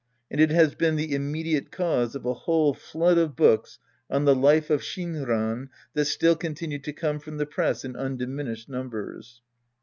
And it has been the immediate cause of a whole flood of books on the life of Shinran that still continue to come from the press in undiminished numbers.